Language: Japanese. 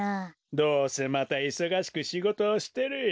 どうせまたいそがしくしごとをしてるよ。